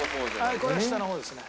はいこれは下の方ですね。